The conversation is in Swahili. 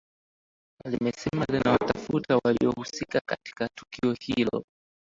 limesema linawatafuta waliohusika katika tukio hilo